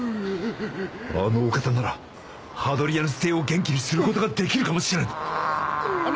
あのお方ならハドリアヌス帝を元気にすることができるかもしれんあれ